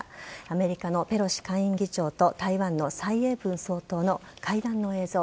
アメリカのペロシ下院議長と台湾の蔡英文総統の会談の映像